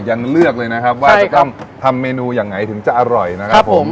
ยังเลือกเลยนะครับว่าจะต้องทำเมนูอย่างไหนถึงจะอร่อยนะครับผม